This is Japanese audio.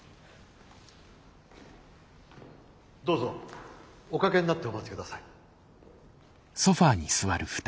どうぞお掛けになってお待ち下さい。